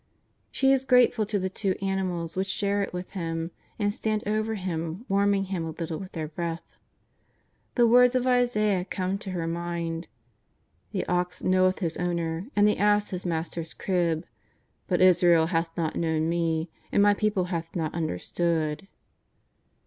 She is grateful to the tw^o animals which share it with Him and stand over Him warming Him a little with their breath. The words of Isaias come to her mind :^' The ox knoweth his owner and the ass his master's crib, but Israel hath not known Me, and My people hath not understood.''